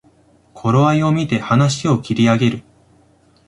頃合いをみて話を切り上げる